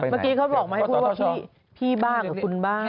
เมื่อกี้เขาบอกมาให้พูดว่าพี่บ้างกับคุณบ้าง